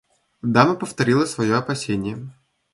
Дама повторила свое опасение.